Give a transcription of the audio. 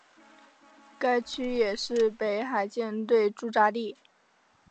该区也是北海舰队驻扎地。